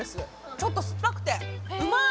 ちょっと酸っぱくてうまい！